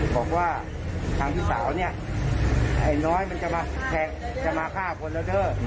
บอกว่าทางพี่สาวเนี่ยไอ้น้อยมันจะมาแทงจะมาฆ่าคนแล้วเถอะ